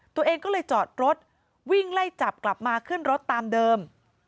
ตัวเองก็เลยจอดรถวิ่งไล่จับกลับมาขึ้นรถตามเดิม